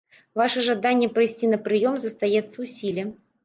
Ваша жаданне прыйсці на прыём застаецца ў сіле.